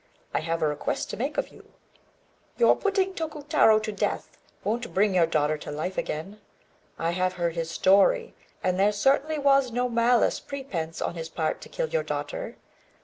I have a request to make of you. Your putting Tokutarô to death won't bring your daughter to life again. I have heard his story, and there certainly was no malice prepense on his part to kill your daughter.